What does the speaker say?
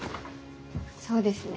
そうですね。